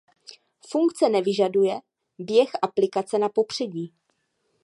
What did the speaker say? Funkce nevyžaduje běh aplikace na popředí.